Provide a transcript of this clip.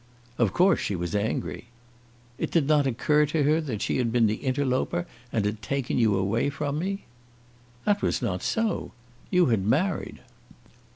"Of course she was angry." "It did not occur to her that she had been the interloper, and had taken you away from me?" "That was not so. You had married."